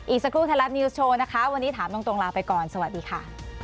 สักครู่ไทยรัฐนิวส์โชว์นะคะวันนี้ถามตรงลาไปก่อนสวัสดีค่ะ